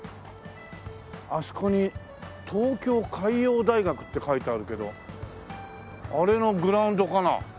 あそこに「東京海洋大学」って書いてあるけどあれのグラウンドかな？